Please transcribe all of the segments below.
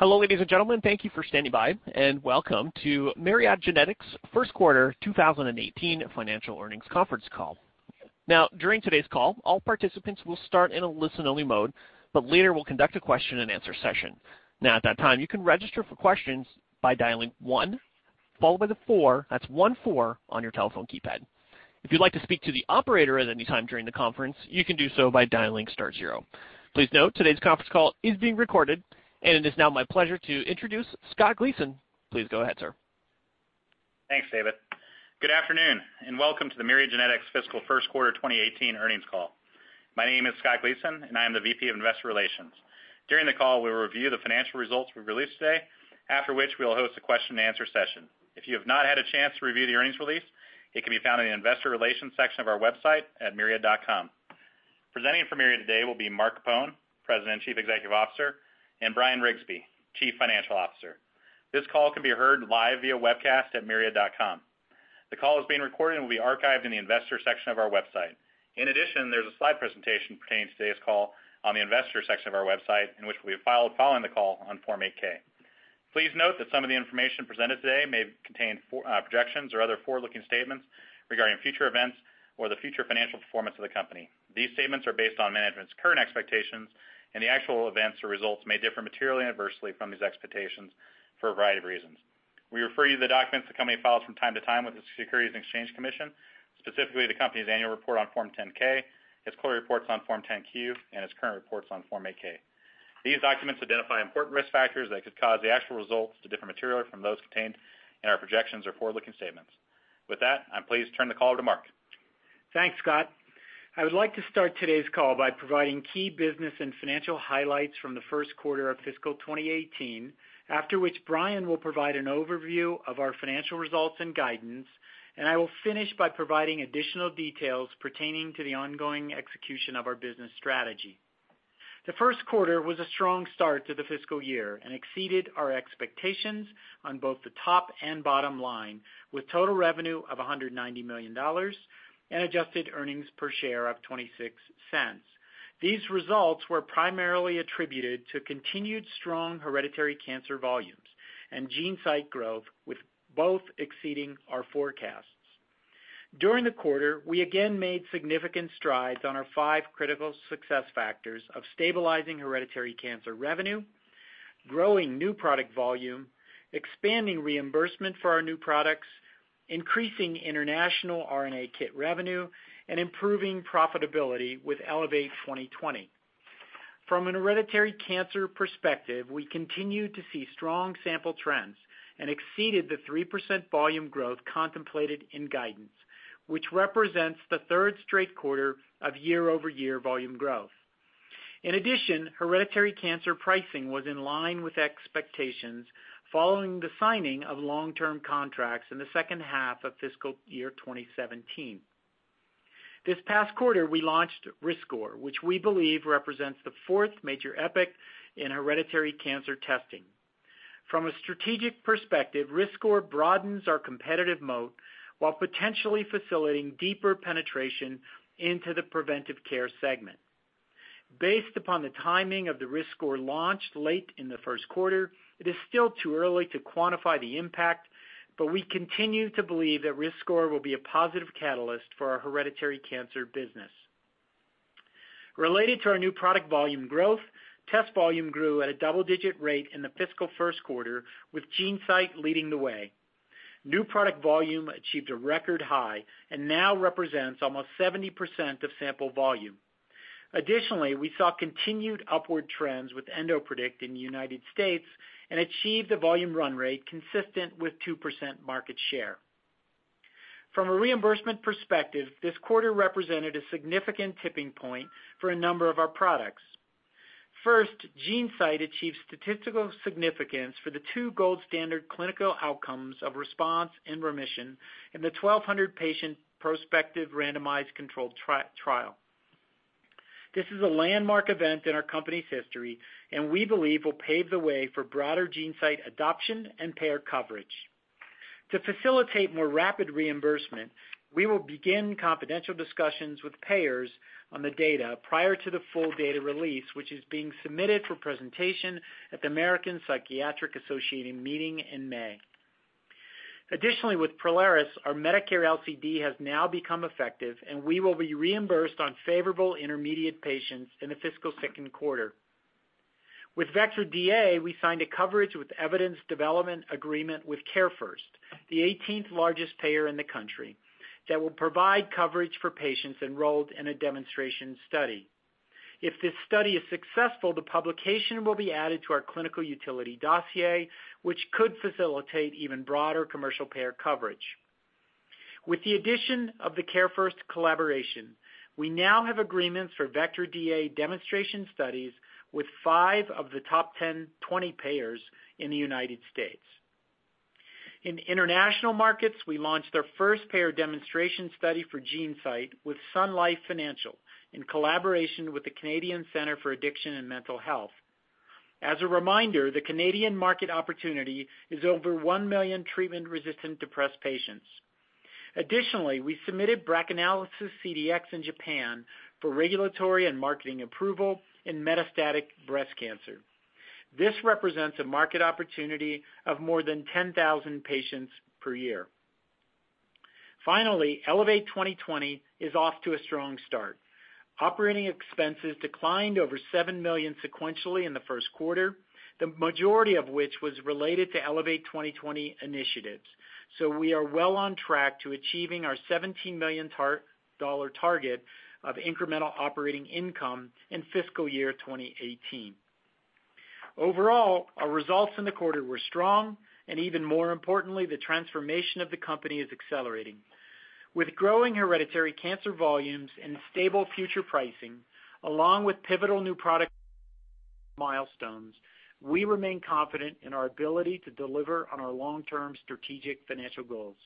Hello, ladies and gentlemen. Thank you for standing by, welcome to Myriad Genetics' first quarter 2018 financial earnings conference call. During today's call, all participants will start in a listen-only mode, but later we'll conduct a question and answer session. At that time, you can register for questions by dialing one followed by the four. That's one, four on your telephone keypad. If you'd like to speak to the operator at any time during the conference, you can do so by dialing star zero. Please note, today's conference call is being recorded, it is now my pleasure to introduce Scott Gleason. Please go ahead, sir. Thanks, David. Good afternoon, welcome to the Myriad Genetics fiscal first quarter 2018 earnings call. My name is Scott Gleason, I am the VP of Investor Relations. During the call, we will review the financial results we've released today, after which we'll host a question and answer session. If you have not had a chance to review the earnings release, it can be found in the investor relations section of our website at myriad.com. Presenting for Myriad today will be Mark Capone, President and Chief Executive Officer, Bryan Riggsbee, Chief Financial Officer. This call can be heard live via webcast at myriad.com. The call is being recorded and will be archived in the investor section of our website. In addition, there's a slide presentation pertaining to today's call on the investor section of our website, which we have filed following the call on Form 8-K. Please note that some of the information presented today may contain projections or other forward-looking statements regarding future events or the future financial performance of the company. These statements are based on management's current expectations, the actual events or results may differ materially and adversely from these expectations for a variety of reasons. We refer you to the documents the company files from time to time with the Securities and Exchange Commission, specifically the company's annual report on Form 10-K, its quarterly reports on Form 10-Q, its current reports on Form 8-K. These documents identify important risk factors that could cause the actual results to differ materially from those contained in our projections or forward-looking statements. With that, I'm pleased to turn the call over to Mark. Thanks, Scott. I would like to start today's call by providing key business financial highlights from the first quarter of fiscal 2018, after which Bryan will provide an overview of our financial results guidance, I will finish by providing additional details pertaining to the ongoing execution of our business strategy. The first quarter was a strong start to the fiscal year exceeded our expectations on both the top and bottom line, with total revenue of $190 million adjusted earnings per share of $0.26. These results were primarily attributed to continued strong hereditary cancer volumes and GeneSight growth, with both exceeding our forecasts. During the quarter, we again made significant strides on our five critical success factors of stabilizing hereditary cancer revenue, growing new product volume, expanding reimbursement for our new products, increasing international RNA kit revenue, improving profitability with Elevate 2020. From an hereditary cancer perspective, we continued to see strong sample trends and exceeded the 3% volume growth contemplated in guidance, which represents the third straight quarter of year-over-year volume growth. In addition, hereditary cancer pricing was in line with expectations following the signing of long-term contracts in the second half of fiscal year 2017. This past quarter, we launched riskScore, which we believe represents the fourth major epoch in hereditary cancer testing. From a strategic perspective, riskScore broadens our competitive moat while potentially facilitating deeper penetration into the preventive care segment. Based upon the timing of the riskScore launch late in the first quarter, it is still too early to quantify the impact, we continue to believe that riskScore will be a positive catalyst for our hereditary cancer business. Related to our new product volume growth, test volume grew at a double-digit rate in the fiscal first quarter, with GeneSight leading the way. New product volume achieved a record high and now represents almost 70% of sample volume. Additionally, we saw continued upward trends with EndoPredict in the U.S. and achieved a volume run rate consistent with 2% market share. From a reimbursement perspective, this quarter represented a significant tipping point for a number of our products. First, GeneSight achieved statistical significance for the two gold standard clinical outcomes of response and remission in the 1,200-patient prospective randomized controlled trial. This is a landmark event in our company's history, we believe will pave the way for broader GeneSight adoption and payer coverage. To facilitate more rapid reimbursement, we will begin confidential discussions with payers on the data prior to the full data release, which is being submitted for presentation at the American Psychiatric Association meeting in May. Additionally, with Prolaris, our Medicare LCD has now become effective, and we will be reimbursed on favorable intermediate patients in the fiscal second quarter. With Vectra DA, we signed a coverage with evidence development agreement with CareFirst, the 18th largest payer in the country, that will provide coverage for patients enrolled in a demonstration study. If this study is successful, the publication will be added to our clinical utility dossier, which could facilitate even broader commercial payer coverage. With the addition of the CareFirst collaboration, we now have agreements for Vectra DA demonstration studies with five of the top 20 payers in the U.S. In international markets, we launched our first payer demonstration study for GeneSight with Sun Life Financial in collaboration with the Canadian Centre for Addiction and Mental Health. As a reminder, the Canadian market opportunity is over 1 million treatment-resistant depressed patients. Additionally, we submitted BRACAnalysis CDx in Japan for regulatory and marketing approval in metastatic breast cancer. This represents a market opportunity of more than 10,000 patients per year. Finally, Elevate 2020 is off to a strong start. Operating expenses declined over $7 million sequentially in the first quarter, the majority of which was related to Elevate 2020 initiatives. We are well on track to achieving our $17 million target of incremental operating income in fiscal year 2018. Overall, our results in the quarter were strong, even more importantly, the transformation of the company is accelerating. With growing hereditary cancer volumes and stable future pricing, along with pivotal new product milestones, we remain confident in our ability to deliver on our long-term strategic financial goals.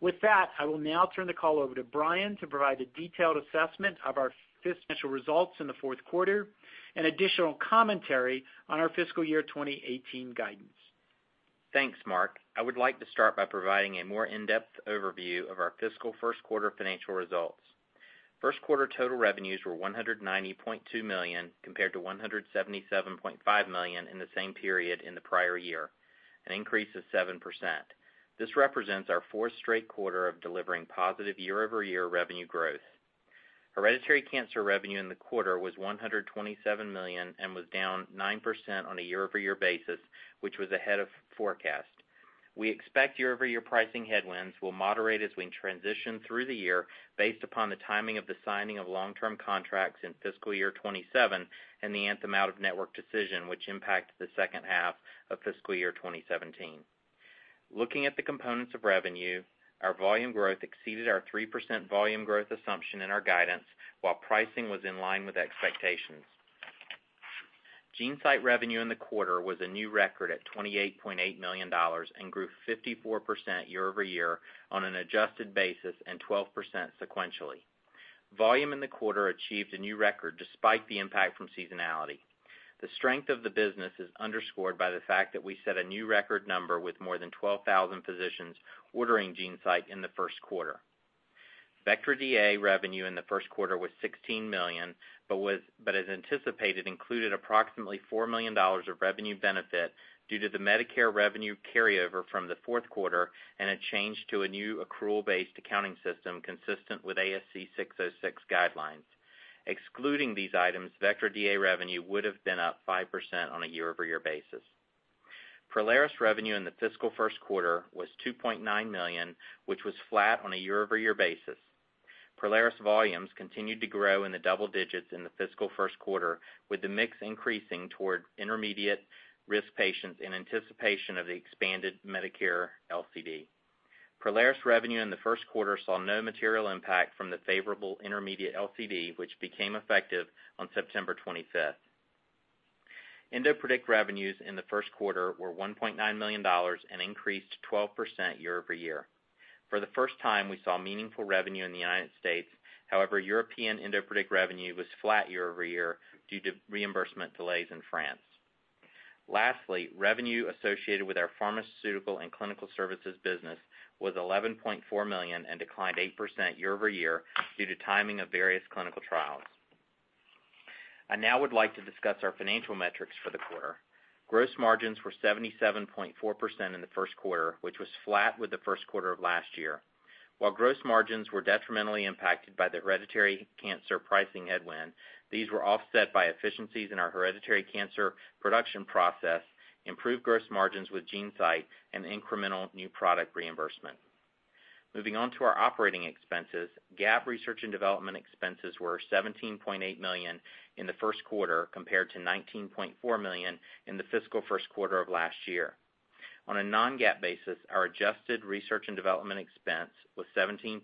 With that, I will now turn the call over to Bryan to provide a detailed assessment of our fiscal results in the fourth quarter and additional commentary on our fiscal year 2018 guidance. Thanks, Mark. I would like to start by providing a more in-depth overview of our fiscal first quarter financial results. First quarter total revenues were $190.2 million, compared to $177.5 million in the same period in the prior year, an increase of 7%. This represents our fourth straight quarter of delivering positive year-over-year revenue growth. Hereditary cancer revenue in the quarter was $127 million and was down 9% on a year-over-year basis, which was ahead of forecast. We expect year-over-year pricing headwinds will moderate as we transition through the year, based upon the timing of the signing of long-term contracts in fiscal year 2017 and the Anthem out-of-network decision, which impacted the second half of fiscal year 2017. Looking at the components of revenue, our volume growth exceeded our 3% volume growth assumption in our guidance, while pricing was in line with expectations. GeneSight revenue in the quarter was a new record at $28.8 million and grew 54% year-over-year on an adjusted basis and 12% sequentially. Volume in the quarter achieved a new record despite the impact from seasonality. The strength of the business is underscored by the fact that we set a new record number with more than 12,000 physicians ordering GeneSight in the first quarter. Vectra DA revenue in the first quarter was $16 million, but as anticipated, included approximately $4 million of revenue benefit due to the Medicare revenue carryover from the fourth quarter and a change to a new accrual-based accounting system consistent with ASC 606 guidelines. Excluding these items, Vectra DA revenue would have been up 5% on a year-over-year basis. Prolaris revenue in the fiscal first quarter was $2.9 million, which was flat on a year-over-year basis. Prolaris volumes continued to grow in the double digits in the fiscal first quarter, with the mix increasing toward intermediate-risk patients in anticipation of the expanded Medicare LCD. Prolaris revenue in the first quarter saw no material impact from the favorable intermediate LCD, which became effective on September 25th. EndoPredict revenues in the first quarter were $1.9 million and increased 12% year-over-year. For the first time, we saw meaningful revenue in the United States. However, European EndoPredict revenue was flat year-over-year due to reimbursement delays in France. Lastly, revenue associated with our pharmaceutical and clinical services business was $11.4 million and declined 8% year-over-year due to timing of various clinical trials. I now would like to discuss our financial metrics for the quarter. Gross margins were 77.4% in the first quarter, which was flat with the first quarter of last year. While gross margins were detrimentally impacted by the hereditary cancer pricing headwind, these were offset by efficiencies in our hereditary cancer production process, improved gross margins with GeneSight, and incremental new product reimbursement. Moving on to our operating expenses, GAAP research and development expenses were $17.8 million in the first quarter, compared to $19.4 million in the fiscal first quarter of last year. On a non-GAAP basis, our adjusted research and development expense was $17.6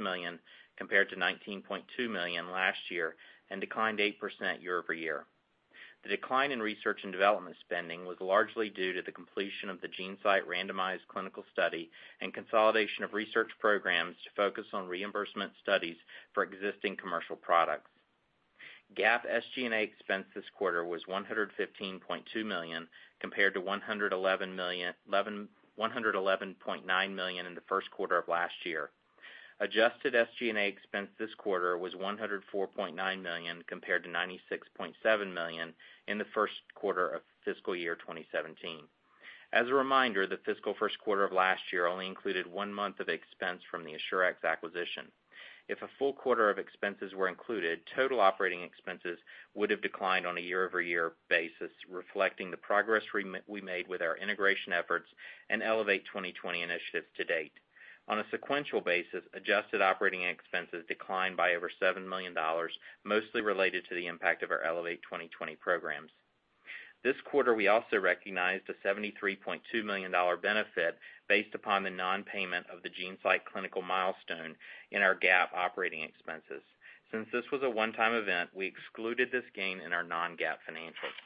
million compared to $19.2 million last year and declined 8% year-over-year. The decline in research and development spending was largely due to the completion of the GeneSight randomized clinical study and consolidation of research programs to focus on reimbursement studies for existing commercial products. GAAP SG&A expense this quarter was $115.2 million, compared to $111.9 million in the first quarter of last year. Adjusted SG&A expense this quarter was $104.9 million, compared to $96.7 million in the first quarter of fiscal year 2017. As a reminder, the fiscal first quarter of last year only included one month of expense from the Assurex acquisition. If a full quarter of expenses were included, total operating expenses would have declined on a year-over-year basis, reflecting the progress we made with our integration efforts and Elevate 2020 initiatives to date. On a sequential basis, adjusted operating expenses declined by over $7 million, mostly related to the impact of our Elevate 2020 programs. This quarter, we also recognized a $73.2 million benefit based upon the non-payment of the GeneSight clinical milestone in our GAAP operating expenses. Since this was a one-time event, we excluded this gain in our non-GAAP financials.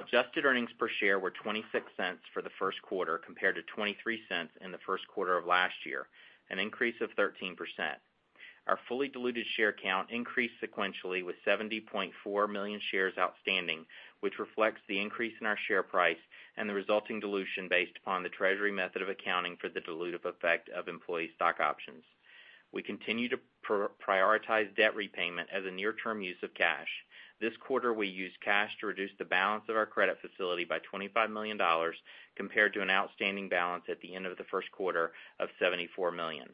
Adjusted earnings per share were $0.26 for the first quarter compared to $0.23 in the first quarter of last year, an increase of 13%. Our fully diluted share count increased sequentially with 70.4 million shares outstanding, which reflects the increase in our share price and the resulting dilution based upon the treasury method of accounting for the dilutive effect of employee stock options. We continue to prioritize debt repayment as a near-term use of cash. This quarter, we used cash to reduce the balance of our credit facility by $25 million compared to an outstanding balance at the end of the first quarter of $74 million.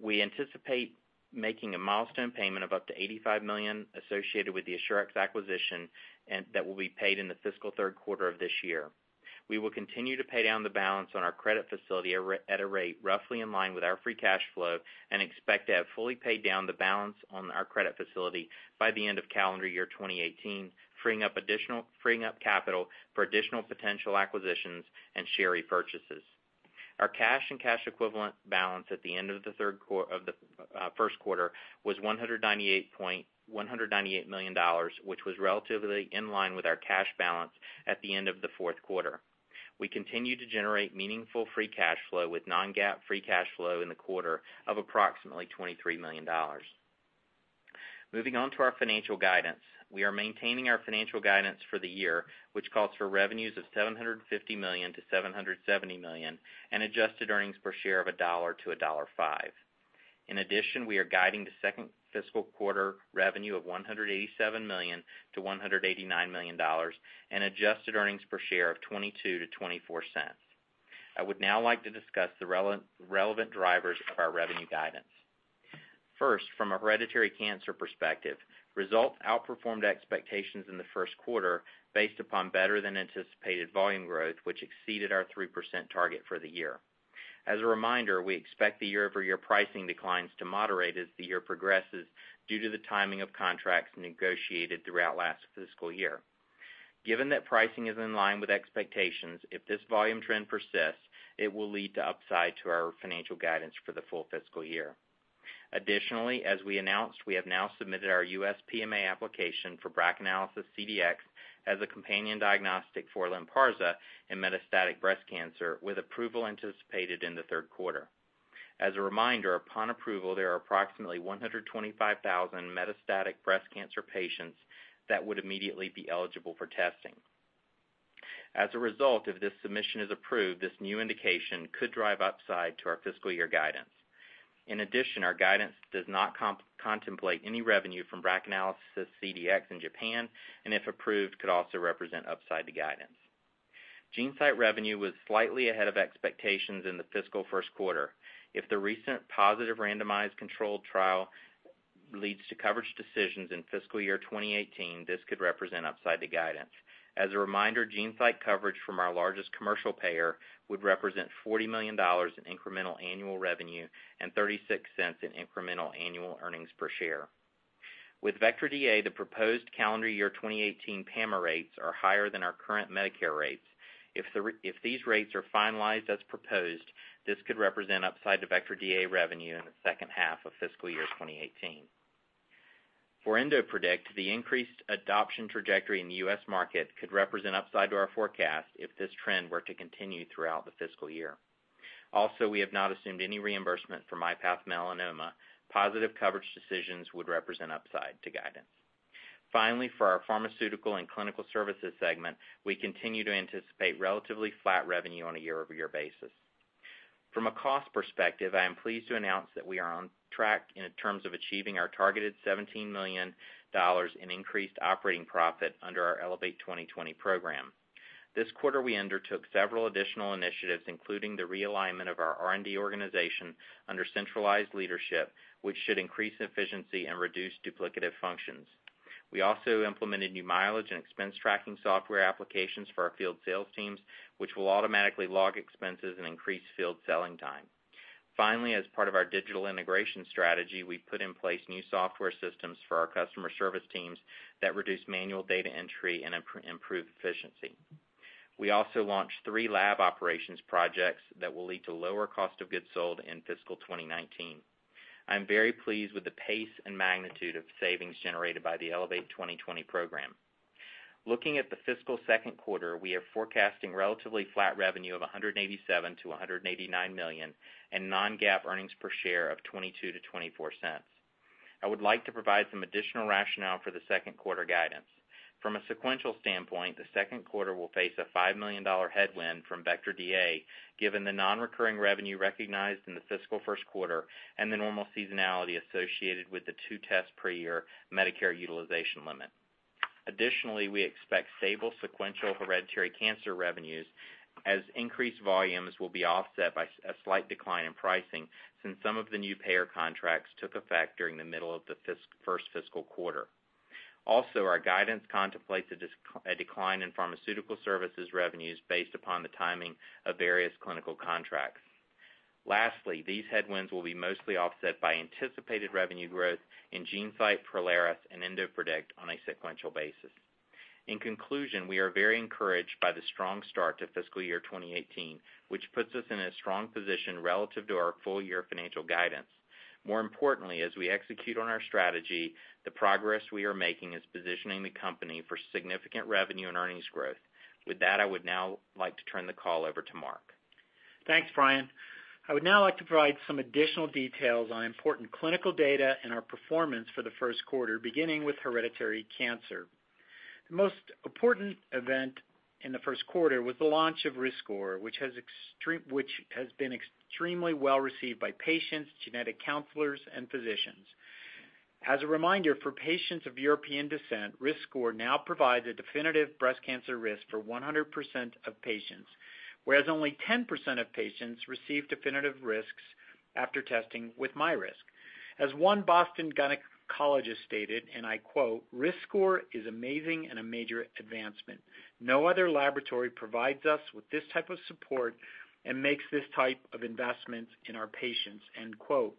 We anticipate making a milestone payment of up to $85 million associated with the Assurex acquisition, and that will be paid in the fiscal third quarter of this year. We will continue to pay down the balance on our credit facility at a rate roughly in line with our free cash flow and expect to have fully paid down the balance on our credit facility by the end of calendar year 2018, freeing up capital for additional potential acquisitions and share repurchases. Our cash and cash equivalent balance at the end of the first quarter was $198 million, which was relatively in line with our cash balance at the end of the fourth quarter. We continue to generate meaningful free cash flow with non-GAAP free cash flow in the quarter of approximately $23 million. Moving on to our financial guidance. We are maintaining our financial guidance for the year, which calls for revenues of $750 million to $770 million and adjusted earnings per share of $1.00 to $1.05. In addition, we are guiding the second fiscal quarter revenue of $187 million to $189 million and adjusted earnings per share of $0.22-$0.24. I would now like to discuss the relevant drivers of our revenue guidance. First, from a hereditary cancer perspective, results outperformed expectations in the first quarter based upon better than anticipated volume growth, which exceeded our 3% target for the year. As a reminder, we expect the year-over-year pricing declines to moderate as the year progresses due to the timing of contracts negotiated throughout last fiscal year. Given that pricing is in line with expectations, if this volume trend persists, it will lead to upside to our financial guidance for the full fiscal year. Additionally, as we announced, we have now submitted our U.S. PMA application for BRACAnalysis CDx as a companion diagnostic for LYNPARZA in metastatic breast cancer, with approval anticipated in the third quarter. As a reminder, upon approval, there are approximately 125,000 metastatic breast cancer patients that would immediately be eligible for testing. As a result, if this submission is approved, this new indication could drive upside to our fiscal year guidance. In addition, our guidance does not contemplate any revenue from BRACAnalysis CDx in Japan, and if approved, could also represent upside to guidance. GeneSight revenue was slightly ahead of expectations in the fiscal first quarter. If the recent positive randomized controlled trial leads to coverage decisions in fiscal year 2018, this could represent upside to guidance. As a reminder, GeneSight coverage from our largest commercial payer would represent $40 million in incremental annual revenue and $0.36 in incremental annual earnings per share. With Vectra DA, the proposed calendar year 2018 PAMA rates are higher than our current Medicare rates. If these rates are finalized as proposed, this could represent upside to Vectra DA revenue in the second half of fiscal year 2018. For EndoPredict, the increased adoption trajectory in the U.S. market could represent upside to our forecast if this trend were to continue throughout the fiscal year. Also, we have not assumed any reimbursement for myPath Melanoma. Positive coverage decisions would represent upside to guidance. Finally, for our pharmaceutical and clinical services segment, we continue to anticipate relatively flat revenue on a year-over-year basis. From a cost perspective, I am pleased to announce that we are on track in terms of achieving our targeted $17 million in increased operating profit under our Elevate 2020 program. This quarter, we undertook several additional initiatives, including the realignment of our R&D organization under centralized leadership, which should increase efficiency and reduce duplicative functions. We also implemented new mileage and expense tracking software applications for our field sales teams, which will automatically log expenses and increase field selling time. Finally, as part of our digital integration strategy, we put in place new software systems for our customer service teams that reduce manual data entry and improve efficiency. We also launched three lab operations projects that will lead to lower cost of goods sold in fiscal 2019. I am very pleased with the pace and magnitude of savings generated by the Elevate 2020 program. Looking at the fiscal second quarter, we are forecasting relatively flat revenue of $187 million-$189 million and non-GAAP earnings per share of $0.22-$0.24. I would like to provide some additional rationale for the second quarter guidance. From a sequential standpoint, the second quarter will face a $5 million headwind from Vectra DA, given the non-recurring revenue recognized in the fiscal first quarter and the normal seasonality associated with the two tests per year Medicare utilization limit. Additionally, we expect stable sequential hereditary cancer revenues as increased volumes will be offset by a slight decline in pricing since some of the new payer contracts took effect during the middle of the first fiscal quarter. Our guidance contemplates a decline in pharmaceutical services revenues based upon the timing of various clinical contracts. These headwinds will be mostly offset by anticipated revenue growth in GeneSight, Prolaris, and EndoPredict on a sequential basis. In conclusion, we are very encouraged by the strong start to fiscal year 2018, which puts us in a strong position relative to our full-year financial guidance. More importantly, as we execute on our strategy, the progress we are making is positioning the company for significant revenue and earnings growth. With that, I would now like to turn the call over to Mark. Thanks, Bryan. I would now like to provide some additional details on important clinical data and our performance for the first quarter, beginning with hereditary cancer. The most important event in the first quarter was the launch of riskScore, which has been extremely well-received by patients, genetic counselors, and physicians. As a reminder, for patients of European descent, riskScore now provides a definitive breast cancer risk for 100% of patients, whereas only 10% of patients receive definitive risks after testing with myRisk. As one Boston gynecologist stated, and I quote, "riskScore is amazing and a major advancement. No other laboratory provides us with this type of support and makes this type of investment in our patients." End quote.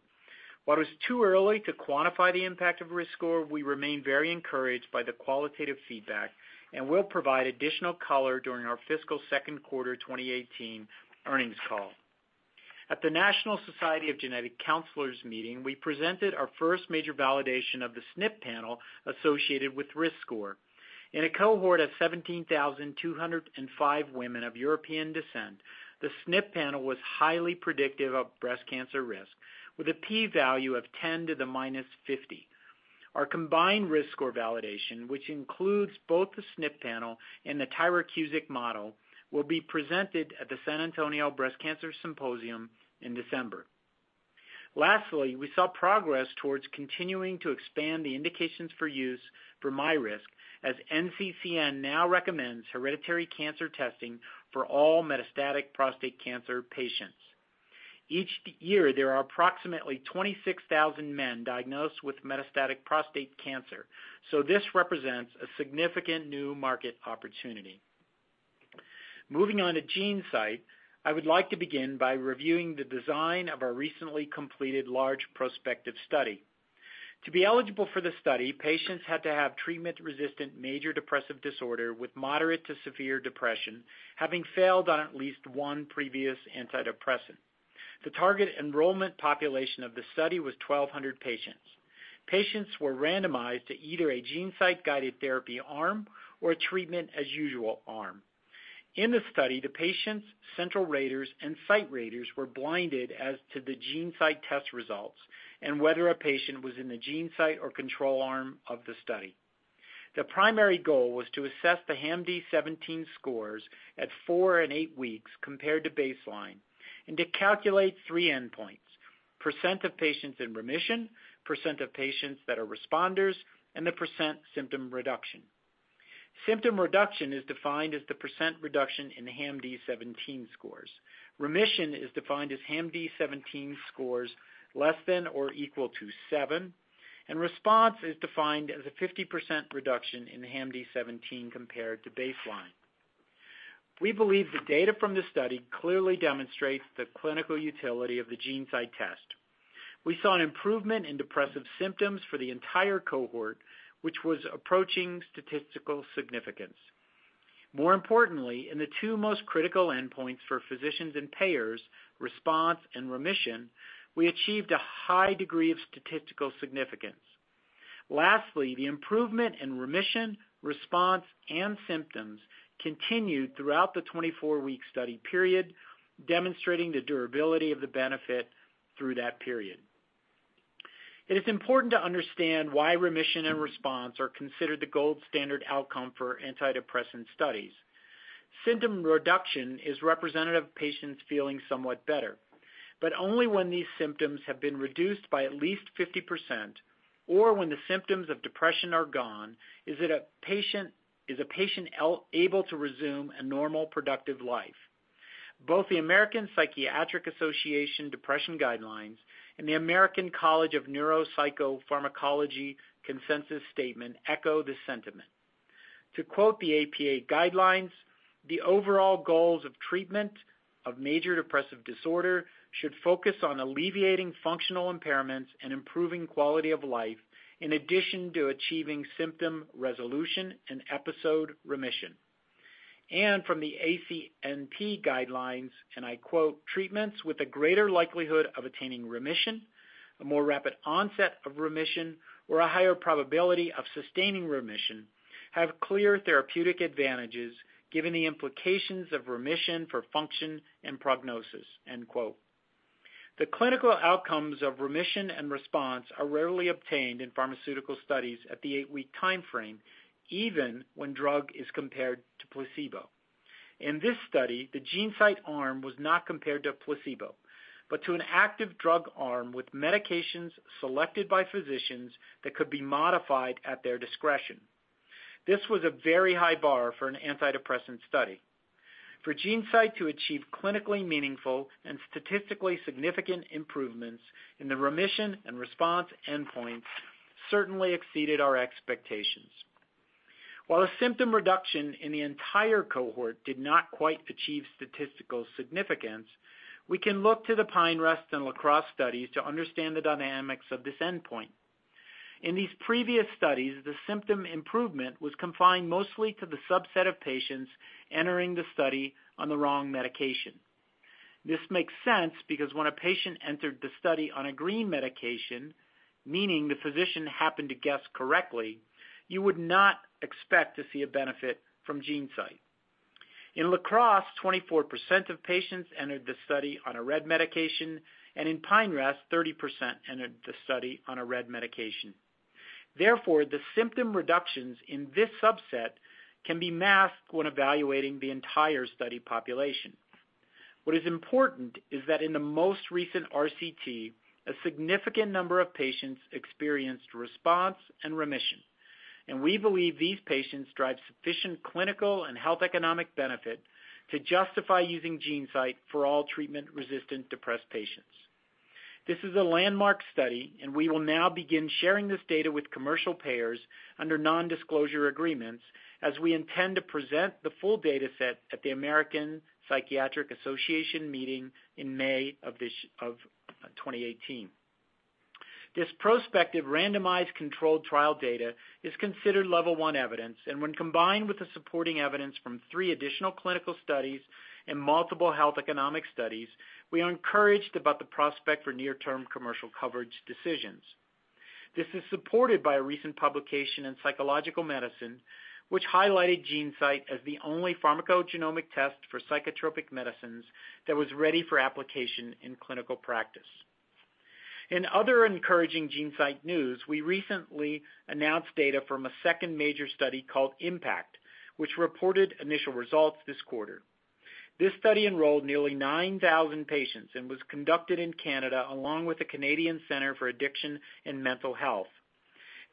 While it's too early to quantify the impact of riskScore, we remain very encouraged by the qualitative feedback and will provide additional color during our fiscal second quarter 2018 earnings call. At the National Society of Genetic Counselors meeting, we presented our first major validation of the SNP panel associated with riskScore. In a cohort of 17,205 women of European descent, the SNP panel was highly predictive of breast cancer risk, with a P value of 10 to the minus 50. Our combined riskScore validation, which includes both the SNP panel and the Tyrer-Cuzick model, will be presented at the San Antonio Breast Cancer Symposium in December. Lastly, we saw progress towards continuing to expand the indications for use for myRisk, as NCCN now recommends hereditary cancer testing for all metastatic prostate cancer patients. Each year, there are approximately 26,000 men diagnosed with metastatic prostate cancer. This represents a significant new market opportunity. Moving on to GeneSight, I would like to begin by reviewing the design of our recently completed large prospective study. To be eligible for the study, patients had to have treatment-resistant major depressive disorder with moderate to severe depression, having failed on at least one previous antidepressant. The target enrollment population of the study was 1,200 patients. Patients were randomized to either a GeneSight-guided therapy arm or a treatment as usual arm. In the study, the patients, central raters, and site raters were blinded as to the GeneSight test results and whether a patient was in the GeneSight or control arm of the study. The primary goal was to assess the HAM-D17 scores at four and eight weeks compared to baseline and to calculate three endpoints: % of patients in remission, % of patients that are responders, and the % symptom reduction. Symptom reduction is defined as the % reduction in HAM-D17 scores. Remission is defined as HAM-D17 scores less than or equal to seven, and response is defined as a 50% reduction in HAM-D17 compared to baseline. We believe the data from this study clearly demonstrates the clinical utility of the GeneSight test. We saw an improvement in depressive symptoms for the entire cohort, which was approaching statistical significance. More importantly, in the two most critical endpoints for physicians and payers, response and remission, we achieved a high degree of statistical significance. Lastly, the improvement in remission, response, and symptoms continued throughout the 24-week study period, demonstrating the durability of the benefit through that period. It is important to understand why remission and response are considered the gold standard outcome for antidepressant studies. Symptom reduction is representative of patients feeling somewhat better, but only when these symptoms have been reduced by at least 50% or when the symptoms of depression are gone, is a patient able to resume a normal, productive life. Both the American Psychiatric Association depression guidelines and the American College of Neuropsychopharmacology consensus statement echo this sentiment. To quote the APA guidelines, "The overall goals of treatment of major depressive disorder should focus on alleviating functional impairments and improving quality of life, in addition to achieving symptom resolution and episode remission." From the ACNP guidelines, I quote, "Treatments with a greater likelihood of attaining remission, a more rapid onset of remission, or a higher probability of sustaining remission have clear therapeutic advantages, given the implications of remission for function and prognosis." End quote. The clinical outcomes of remission and response are rarely obtained in pharmaceutical studies at the eight-week timeframe, even when drug is compared to placebo. In this study, the GeneSight arm was not compared to a placebo, but to an active drug arm with medications selected by physicians that could be modified at their discretion. This was a very high bar for an antidepressant study. For GeneSight to achieve clinically meaningful and statistically significant improvements in the remission and response endpoints certainly exceeded our expectations. While a symptom reduction in the entire cohort did not quite achieve statistical significance, we can look to the Pine Rest and La Crosse studies to understand the dynamics of this endpoint. In these previous studies, the symptom improvement was confined mostly to the subset of patients entering the study on the wrong medication. This makes sense because when a patient entered the study on a green medication, meaning the physician happened to guess correctly, you would not expect to see a benefit from GeneSight. In La Crosse, 24% of patients entered the study on a red medication, and in Pine Rest, 30% entered the study on a red medication. Therefore, the symptom reductions in this subset can be masked when evaluating the entire study population. What is important is that in the most recent RCT, a significant number of patients experienced response and remission, and we believe these patients drive sufficient clinical and health economic benefit to justify using GeneSight for all treatment-resistant depressed patients. This is a landmark study, and we will now begin sharing this data with commercial payers under non-disclosure agreements as we intend to present the full data set at the American Psychiatric Association meeting in May of 2018. This prospective randomized controlled trial data is considered level 1 evidence, and when combined with the supporting evidence from 3 additional clinical studies and multiple health economic studies, we are encouraged about the prospect for near-term commercial coverage decisions. This is supported by a recent publication in Psychological Medicine, which highlighted GeneSight as the only pharmacogenomic test for psychotropic medicines that was ready for application in clinical practice. In other encouraging GeneSight news, we recently announced data from a second major study called IMPACT, which reported initial results this quarter. This study enrolled nearly 9,000 patients and was conducted in Canada, along with the Canadian Centre for Addiction and Mental Health.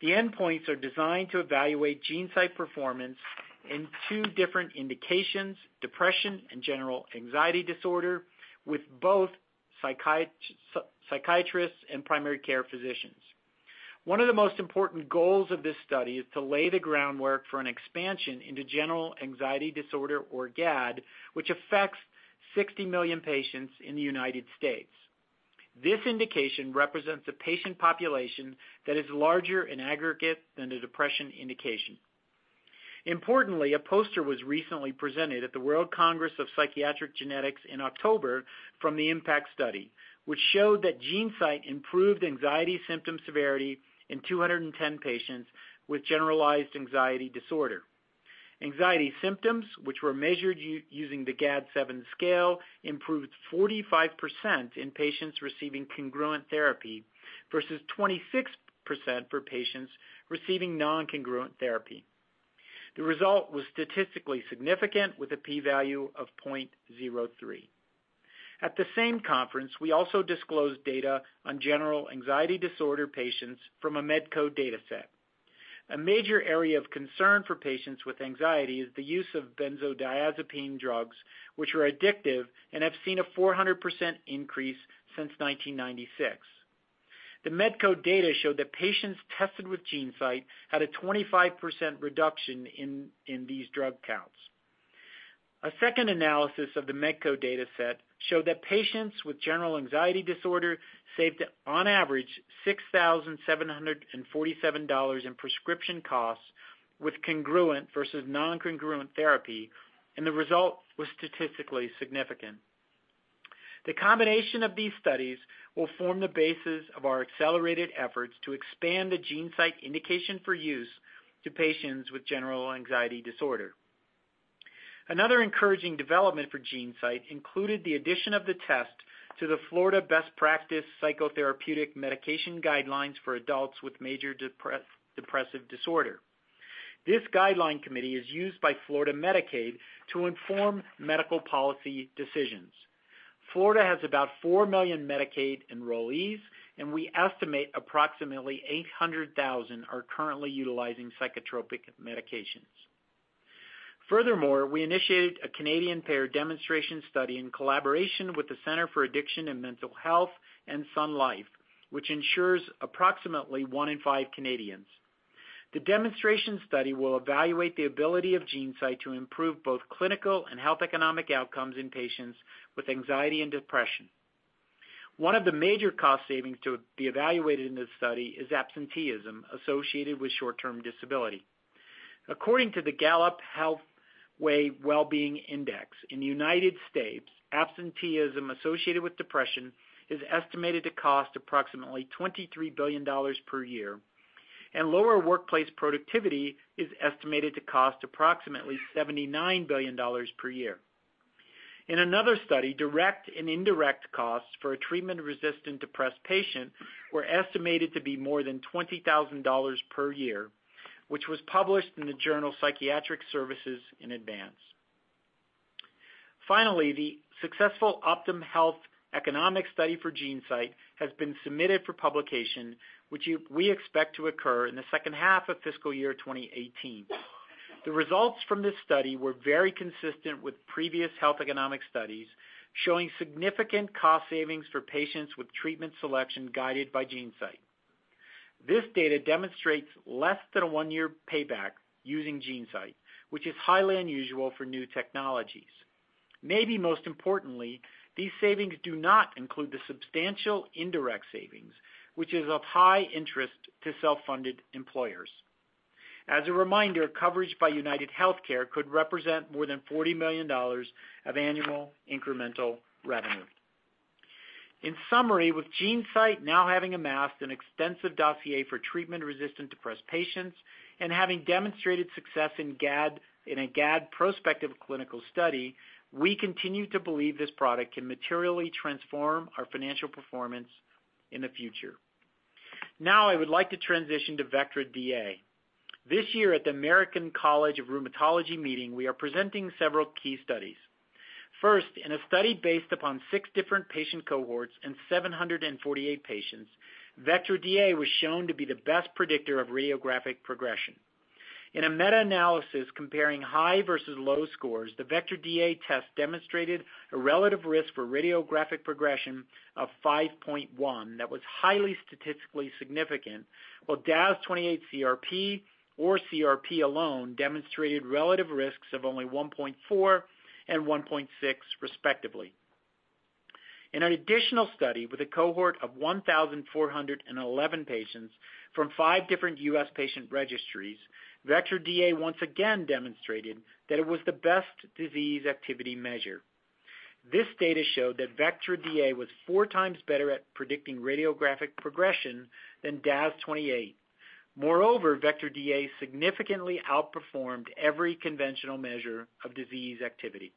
The endpoints are designed to evaluate GeneSight performance in two different indications: depression and general anxiety disorder, with both psychiatrists and primary care physicians. One of the most important goals of this study is to lay the groundwork for an expansion into general anxiety disorder, or GAD, which affects 60 million patients in the U.S. This indication represents a patient population that is larger in aggregate than the depression indication. Importantly, a poster was recently presented at the World Congress of Psychiatric Genetics in October from the IMPACT Study, which showed that GeneSight improved anxiety symptom severity in 210 patients with generalized anxiety disorder. Anxiety symptoms, which were measured using the GAD-7 scale, improved 45% in patients receiving congruent therapy versus 26% for patients receiving non-congruent therapy. The result was statistically significant with a p-value of .03. At the same conference, we also disclosed data on general anxiety disorder patients from a Medco data set. A major area of concern for patients with anxiety is the use of benzodiazepine drugs, which are addictive and have seen a 400% increase since 1996. The Medco data showed that patients tested with GeneSight had a 25% reduction in these drug counts. A second analysis of the Medco data set showed that patients with general anxiety disorder saved, on average, $6,747 in prescription costs with congruent versus non-congruent therapy, and the result was statistically significant. The combination of these studies will form the basis of our accelerated efforts to expand the GeneSight indication for use to patients with general anxiety disorder. Another encouraging development for GeneSight included the addition of the test to the Florida Best Practice Psychotherapeutic Medication Guidelines for adults with major depressive disorder. This guideline committee is used by Florida Medicaid to inform medical policy decisions. Florida has about 4 million Medicaid enrollees, and we estimate approximately 800,000 are currently utilizing psychotropic medications. Furthermore, we initiated a Canadian payer demonstration study in collaboration with the Centre for Addiction and Mental Health and Sun Life, which insures approximately one in five Canadians. The demonstration study will evaluate the ability of GeneSight to improve both clinical and health economic outcomes in patients with anxiety and depression. One of the major cost savings to be evaluated in this study is absenteeism associated with short-term disability. According to the Gallup-Healthways Well-Being Index, in the U.S., absenteeism associated with depression is estimated to cost approximately $23 billion per year, and lower workplace productivity is estimated to cost approximately $79 billion per year. In another study, direct and indirect costs for a treatment-resistant depressed patient were estimated to be more than $20,000 per year, which was published in the journal Psychiatric Services in Advance. The successful Optum health economic study for GeneSight has been submitted for publication, which we expect to occur in the second half of fiscal year 2018. The results from this study were very consistent with previous health economic studies, showing significant cost savings for patients with treatment selection guided by GeneSight. This data demonstrates less than a one-year payback using GeneSight, which is highly unusual for new technologies. Maybe most importantly, these savings do not include the substantial indirect savings, which is of high interest to self-funded employers. As a reminder, coverage by UnitedHealthcare could represent more than $40 million of annual incremental revenue. With GeneSight now having amassed an extensive dossier for treatment-resistant depressed patients and having demonstrated success in a GAD prospective clinical study, we continue to believe this product can materially transform our financial performance in the future. I would like to transition to Vectra DA. This year at the American College of Rheumatology meeting, we are presenting several key studies. First, in a study based upon six different patient cohorts and 748 patients, Vectra DA was shown to be the best predictor of radiographic progression. In a meta-analysis comparing high versus low scores, the Vectra DA test demonstrated a relative risk for radiographic progression of 5.1 that was highly statistically significant, while DAS28-CRP or CRP alone demonstrated relative risks of only 1.4 and 1.6, respectively. In an additional study with a cohort of 1,411 patients from five different U.S. patient registries, Vectra DA once again demonstrated that it was the best disease activity measure. This data showed that Vectra DA was four times better at predicting radiographic progression than DAS28. Moreover, Vectra DA significantly outperformed every conventional measure of disease activity.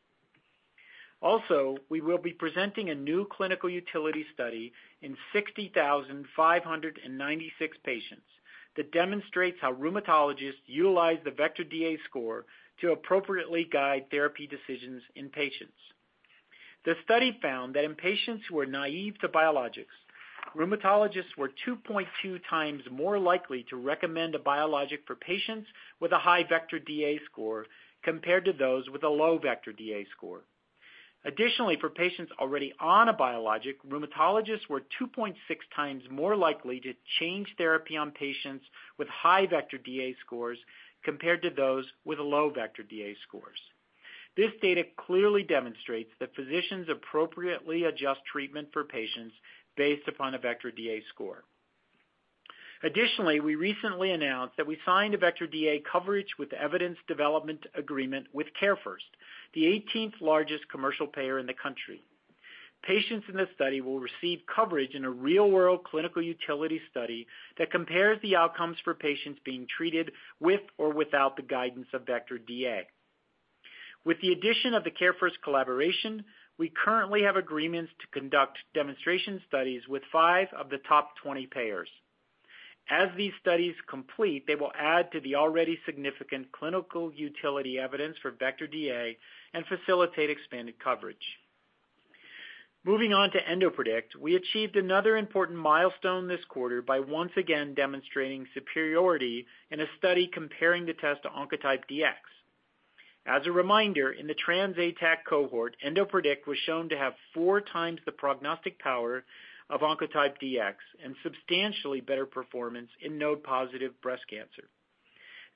We will be presenting a new clinical utility study in 60,596 patients that demonstrates how rheumatologists utilize the Vectra DA score to appropriately guide therapy decisions in patients. The study found that in patients who are naive to biologics, rheumatologists were 2.2 times more likely to recommend a biologic for patients with a high Vectra DA score compared to those with a low Vectra DA score. Additionally, for patients already on a biologic, rheumatologists were 2.6 times more likely to change therapy on patients with high Vectra DA scores compared to those with a low Vectra DA scores. This data clearly demonstrates that physicians appropriately adjust treatment for patients based upon a Vectra DA score. Additionally, we recently announced that we signed a Vectra DA coverage with evidence development agreement with CareFirst, the 18th largest commercial payer in the country. Patients in this study will receive coverage in a real-world clinical utility study that compares the outcomes for patients being treated with or without the guidance of Vectra DA. With the addition of the CareFirst collaboration, we currently have agreements to conduct demonstration studies with five of the top 20 payers. As these studies complete, they will add to the already significant clinical utility evidence for Vectra DA and facilitate expanded coverage. Moving on to EndoPredict, we achieved another important milestone this quarter by once again demonstrating superiority in a study comparing the test to Oncotype DX. As a reminder, in the TransATAC cohort, EndoPredict was shown to have four times the prognostic power of Oncotype DX and substantially better performance in node-positive breast cancer.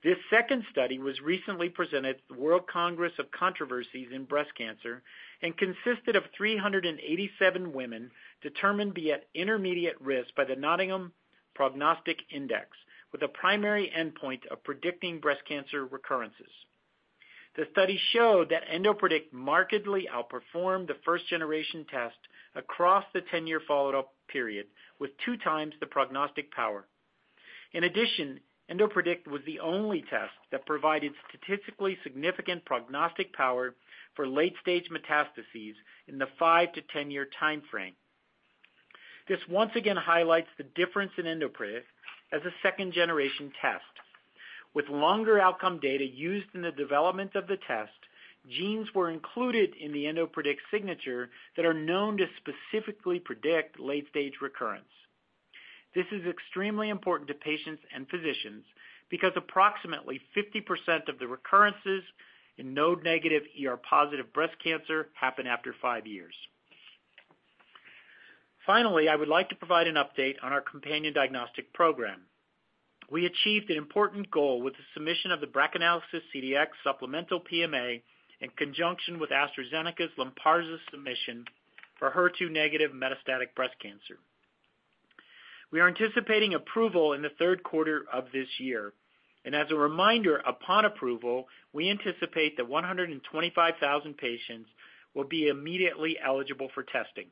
This second study was recently presented at the World Congress of Controversies in Breast Cancer and consisted of 387 women determined to be at intermediate risk by the Nottingham Prognostic Index, with a primary endpoint of predicting breast cancer recurrences. The study showed that EndoPredict markedly outperformed the first-generation test across the 10-year follow-up period, with two times the prognostic power. In addition, EndoPredict was the only test that provided statistically significant prognostic power for late-stage metastases in the five to 10-year timeframe. This once again highlights the difference in EndoPredict as a second-generation test. With longer outcome data used in the development of the test, genes were included in the EndoPredict signature that are known to specifically predict late-stage recurrence. This is extremely important to patients and physicians because approximately 50% of the recurrences in node-negative ER-positive breast cancer happen after five years. Finally, I would like to provide an update on our companion diagnostic program. We achieved an important goal with the submission of the BRACAnalysis CDx supplemental PMA in conjunction with AstraZeneca's LYNPARZA submission for HER2-negative metastatic breast cancer. We are anticipating approval in the third quarter of this year. As a reminder, upon approval, we anticipate that 125,000 patients will be immediately eligible for testing.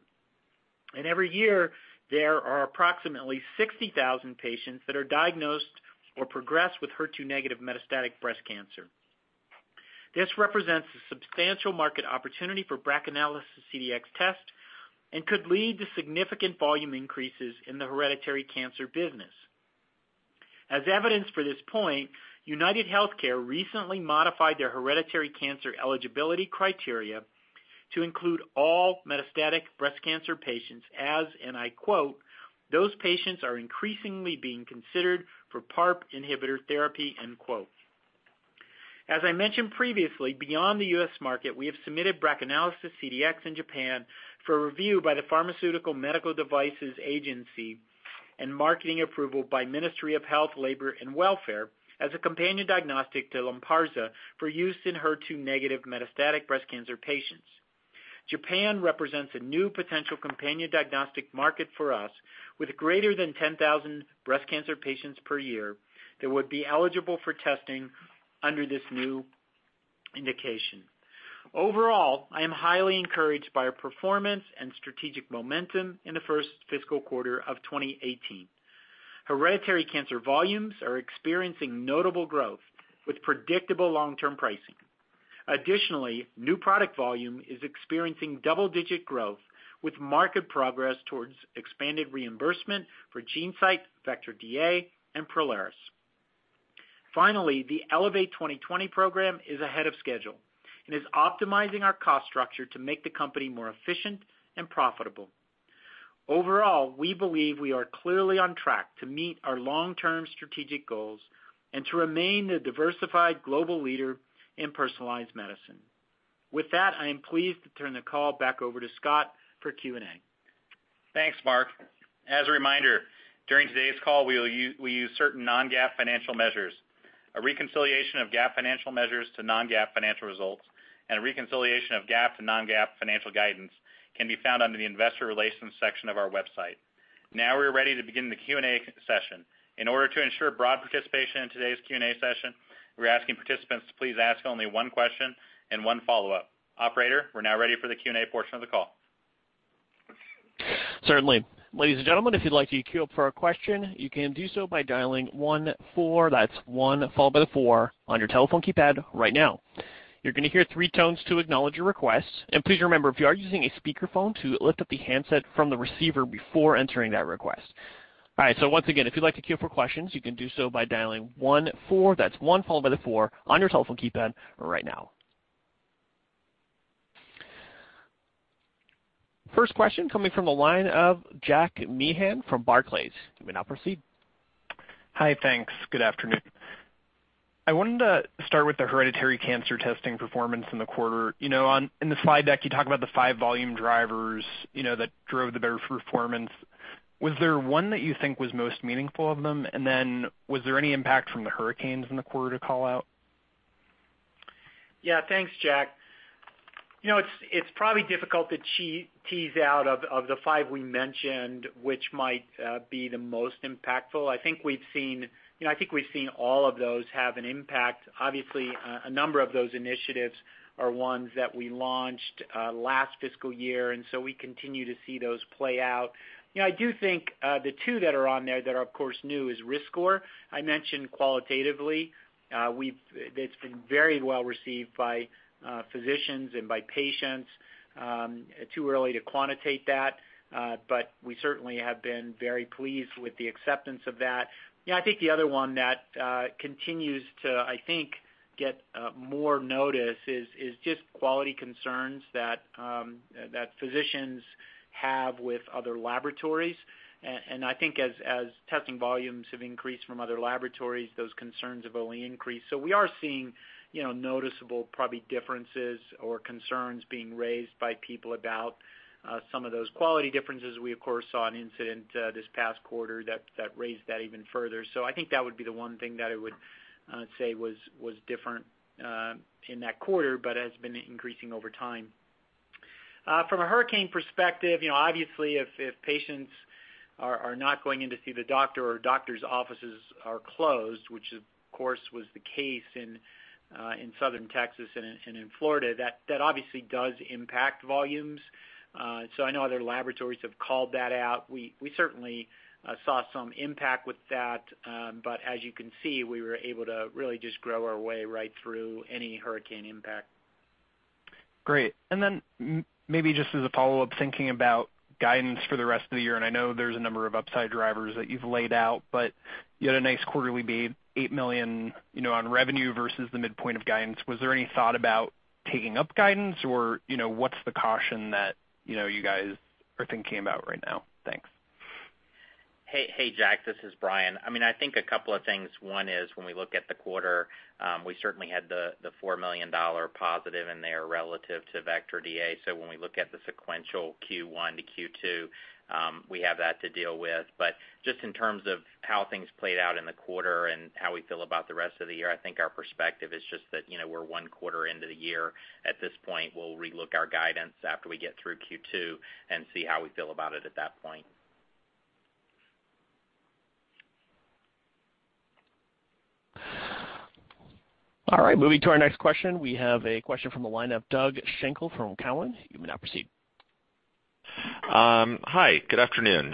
Every year, there are approximately 60,000 patients that are diagnosed or progress with HER2-negative metastatic breast cancer. This represents a substantial market opportunity for BRACAnalysis CDx test and could lead to significant volume increases in the hereditary cancer business. As evidence for this point, UnitedHealthcare recently modified their hereditary cancer eligibility criteria to include all metastatic breast cancer patients, as, and I quote, "Those patients are increasingly being considered for PARP inhibitor therapy." End quote. As I mentioned previously, beyond the U.S. market, we have submitted BRACAnalysis CDx in Japan for review by the Pharmaceuticals and Medical Devices Agency and marketing approval by Ministry of Health, Labour and Welfare as a companion diagnostic to LYNPARZA for use in HER2-negative metastatic breast cancer patients. Japan represents a new potential companion diagnostic market for us, with greater than 10,000 breast cancer patients per year that would be eligible for testing under this new indication. Overall, I am highly encouraged by our performance and strategic momentum in the first fiscal quarter of 2018. Hereditary cancer volumes are experiencing notable growth with predictable long-term pricing. Additionally, new product volume is experiencing double-digit growth with market progress towards expanded reimbursement for GeneSight, Vectra DA, and Prolaris. Finally, the Elevate 2020 program is ahead of schedule and is optimizing our cost structure to make the company more efficient and profitable. Overall, we believe we are clearly on track to meet our long-term strategic goals and to remain the diversified global leader in personalized medicine. With that, I am pleased to turn the call back over to Scott for Q&A. Thanks, Mark. As a reminder, during today's call, we use certain non-GAAP financial measures. A reconciliation of GAAP financial measures to non-GAAP financial results and a reconciliation of GAAP to non-GAAP financial guidance can be found under the investor relations section of our website. Now we're ready to begin the Q&A session. In order to ensure broad participation in today's Q&A session, we're asking participants to please ask only one question and one follow-up. Operator, we're now ready for the Q&A portion of the call. Certainly. Ladies and gentlemen, if you'd like to queue up for a question, you can do so by dialing one, four, that's one followed by the four on your telephone keypad right now. You're going to hear three tones to acknowledge your request. Please remember, if you are using a speakerphone, to lift up the handset from the receiver before entering that request. All right. Once again, if you'd like to queue up for questions, you can do so by dialing one, four, that's one followed by the four on your telephone keypad right now. First question coming from the line of Jack Meehan from Barclays. You may now proceed. Hi. Thanks. Good afternoon. I wanted to start with the hereditary cancer testing performance in the quarter. In the slide deck, you talk about the five volume drivers that drove the better performance. Was there one that you think was most meaningful of them? Was there any impact from the hurricanes in the quarter to call out? Yeah. Thanks, Jack. It's probably difficult to tease out of the five we mentioned, which might be the most impactful. I think we've seen all of those have an impact. Obviously, a number of those initiatives are ones that we launched last fiscal year, we continue to see those play out. I do think the two that are on there that are, of course, new is riskScore. I mentioned qualitatively, it's been very well received by physicians and by patients. Too early to quantitate that, we certainly have been very pleased with the acceptance of that. I think the other one that continues to, I think, get more notice is just quality concerns that physicians have with other laboratories. I think as testing volumes have increased from other laboratories, those concerns have only increased. We are seeing noticeable, probably differences or concerns being raised by people about some of those quality differences. We, of course, saw an incident this past quarter that raised that even further. I think that would be the one thing that I would say was different in that quarter, has been increasing over time. From a hurricane perspective, obviously, if patients are not going in to see the doctor or doctor's offices are closed, which of course was the case in Southern Texas and in Florida, that obviously does impact volumes. I know other laboratories have called that out. We certainly saw some impact with that. As you can see, we were able to really just grow our way right through any hurricane impact. Great. Maybe just as a follow-up, thinking about guidance for the rest of the year, I know there's a number of upside drivers that you've laid out, you had a nice quarterly beat, $8 million on revenue versus the midpoint of guidance. Was there any thought about taking up guidance? What's the caution that you guys are thinking about right now? Thanks. Hey, Jack. This is Bryan. A couple of things. One is when we look at the quarter, we certainly had the $4 million positive in there relative to Vectra DA. When we look at the sequential Q1 to Q2, we have that to deal with. Just in terms of how things played out in the quarter and how we feel about the rest of the year, our perspective is just that we're one quarter into the year at this point. We'll re-look our guidance after we get through Q2 and see how we feel about it at that point. All right. Moving to our next question. We have a question from the line of Doug Schenkel from Cowen. You may now proceed. Hi. Good afternoon.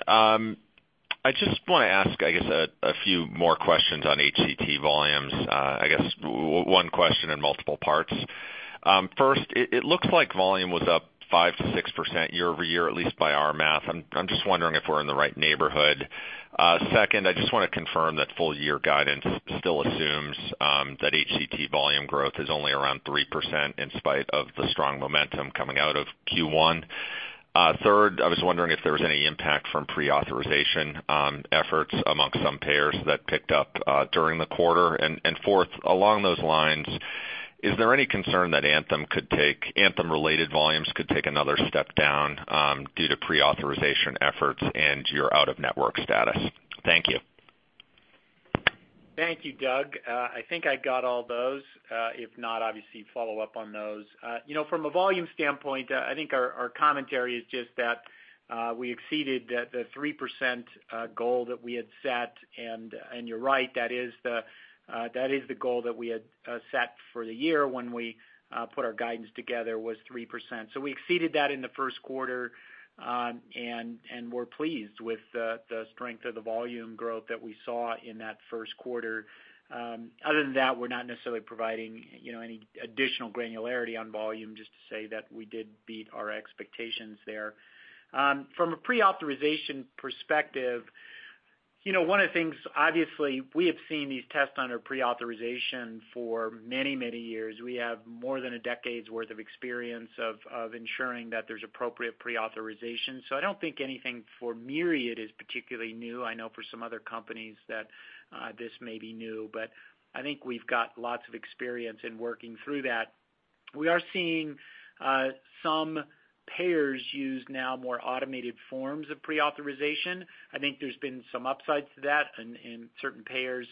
I just want to ask a few more questions on HCT volumes. One question in multiple parts. First, it looks like volume was up 5%-6% year-over-year, at least by our math. Second, I just want to confirm that full-year guidance still assumes that HCT volume growth is only around 3% in spite of the strong momentum coming out of Q1. Third, I was wondering if there was any impact from pre-authorization efforts amongst some payers that picked up during the quarter. Fourth, along those lines, is there any concern that Anthem-related volumes could take another step down due to pre-authorization efforts and your out-of-network status? Thank you. Thank you, Doug. I got all those. If not, obviously follow up on those. From a volume standpoint, our commentary is just that we exceeded the 3% goal that we had set, and you're right, that is the goal that we had set for the year when we put our guidance together, was 3%. We exceeded that in the first quarter, and we're pleased with the strength of the volume growth that we saw in that first quarter. Other than that, we're not necessarily providing any additional granularity on volume, just to say that we did beat our expectations there. From a pre-authorization perspective, one of the things, obviously, we have seen these tests under pre-authorization for many, many years. We have more than a decade's worth of experience of ensuring that there's appropriate pre-authorization. Anything for Myriad is particularly new. I know for some other companies that this may be new, but I think we've got lots of experience in working through that. We are seeing some payers use now more automated forms of pre-authorization. I think there's been some upsides to that in certain payers.